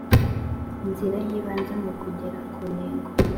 nzira y ibanze mu kugera ku ntego